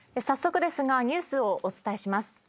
早速ですがニュースをお伝えします。